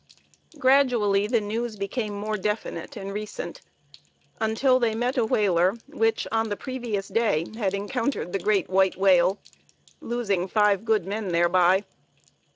Gradually the news became more definite and recent, until they met a whaler which on the previous day had encountered the great white whale, losing five good men thereby.